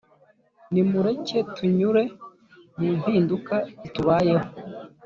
nimureke tunyure mu mpinduka zitubaho